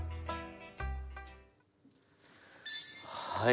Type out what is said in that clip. はい。